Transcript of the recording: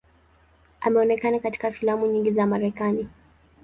Ameonekana katika filamu nyingi za Marekani.